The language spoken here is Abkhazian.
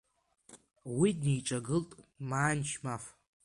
Уи дниҿагылт Маан Шьмаф.